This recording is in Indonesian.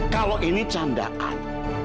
kalau ini candaan